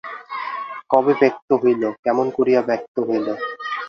কবে ব্যক্ত হইল, কেমন করিয়া ব্যক্ত হইল?